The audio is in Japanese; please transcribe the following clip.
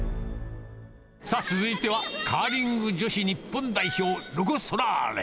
さあ、続いてはカーリング女子日本代表、ロコ・ソラーレ。